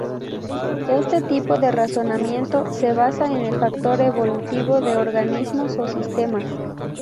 Este tipo de razonamiento se basa en el factor evolutivo de organismos o sistemas.